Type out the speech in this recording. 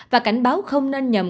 và cảnh báo không nên nhầm